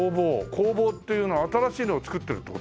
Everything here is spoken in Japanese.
工房っていうのは新しいのを作ってるって事？